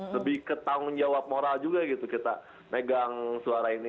lebih ke tanggung jawab moral juga gitu kita megang suara ini